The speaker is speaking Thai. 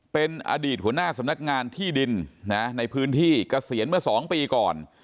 เป็นอดีตหัวหน้าสำนักงานที่ดินในพื้นที่เกษียณเมื่อ๒ปีก่อน